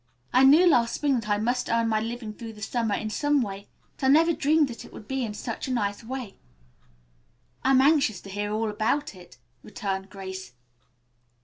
I knew last spring that I must earn my living through the summer, in some way, but I never dreamed that it would be in such a nice way." "I am anxious to hear all about it," returned Grace.